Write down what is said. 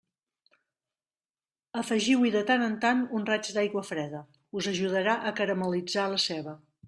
Afegiu-hi de tant en tant un raig d'aigua freda; us ajudarà a caramel·litzar la ceba.